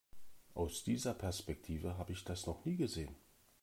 Aus dieser Perspektive habe ich das noch nie gesehen.